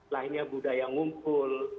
lahirnya budaya ngumpul